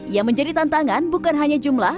yang menjadi tantangan bukan hanya jumlah